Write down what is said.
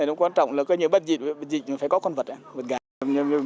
nó quan trọng là coi như bất dịch bất dịch thì phải có con vật con vật gà